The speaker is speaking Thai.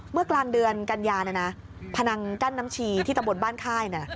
เมื่อกลางเดือนกันยาเนี่ยนะพนังกั้นน้ำชีที่ตำบลบ้านค่ายนะ